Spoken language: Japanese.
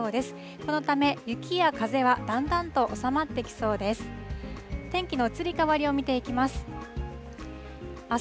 このため、雪や風はだんだんと収まってきそうです。